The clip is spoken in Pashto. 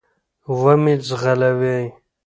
و مي ځغلوی .